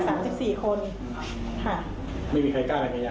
ไม่มีใครกล้าเป็นพยาน